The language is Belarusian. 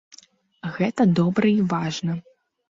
Гэта добра і важна.